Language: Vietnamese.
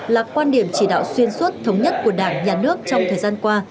là quan điểm chỉ đạo xuyên suốt thống nhất của đảng nhà nước trong thời gian qua